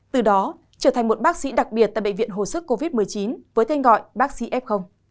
từ đó trở thành một bác sĩ đặc biệt tại bệnh viện hồ sức covid một mươi chín với tên gọi bác sĩ f